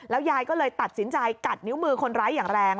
ยายก็เลยตัดสินใจกัดนิ้วมือคนร้ายอย่างแรง